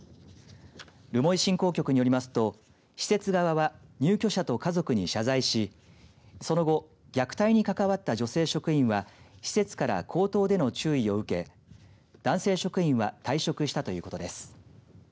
留萌振興局によりますと施設側は入居者と家族に謝罪し、その後虐待に関わった女性職員は施設から口頭での注意を受け男性職員は退職したということです。